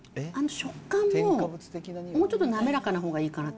食感ももうちょっと滑らかなほうがいいかな。